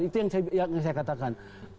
itu yang saya katakan